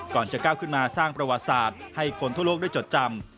จะก้าวขึ้นมาสร้างประวัติศาสตร์ให้คนทั่วโลกได้จดจำ